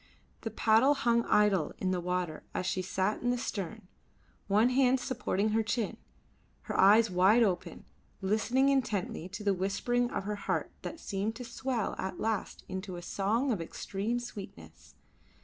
The paddle hung idle in the water as she sat in the stern, one hand supporting her chin, her eyes wide open, listening intently to the whispering of her heart that seemed to swell at last into a song of extreme sweetness.